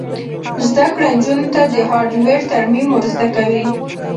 زده کړه نجونو ته د هارډویر ترمیم ور زده کوي.